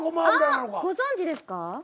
ああご存じですか？